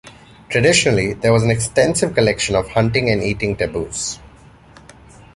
Traditionally there was an extensive collection of hunting and eating taboos.